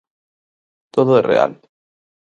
Todo é real.